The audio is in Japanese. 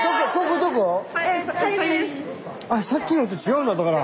あっさっきのと違うんだだから。